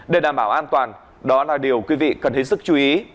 để đảm bảo an toàn đó là điều quý vị cần hết sức chú ý